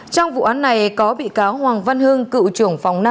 trong vụ án này có bị cáo hoàng văn hưng cựu trưởng phòng năm